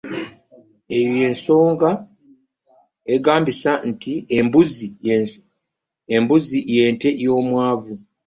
Eyo ye nsonga egambisa nti embuzi ye nte y’omwavu.